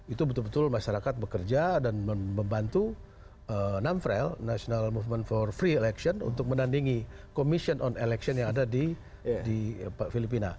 itu betul betul masyarakat bekerja dan membantu namfrel national movement for free election untuk menandingi commission on election yang ada di filipina